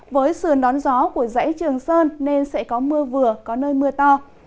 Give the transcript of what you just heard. với sườn đón gió của dãy trường sơn nên sẽ có mưa vừa có nơi mưa to